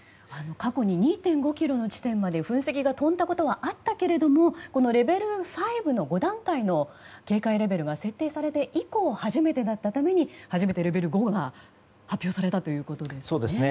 過去に２．５ｋｍの地点まで噴石が飛んだことがあったけれどもこのレベル５の５段階の警戒レベルが設定されて以降初めてだったために初めてレベル５が発表されたということですね。